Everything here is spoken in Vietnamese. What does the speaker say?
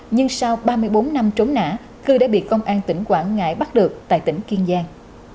nhưng sau ba mươi bốn năm trốn nã cư đã bị công an tp cn bắt được tại tỉnh kiên giang